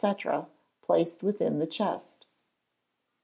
placed within the chest?